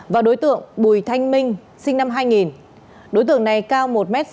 và đối tượng bùi thanh minh sinh năm hai nghìn đối tượng này cao một m sáu mươi chín và có sẹo chấm trên trước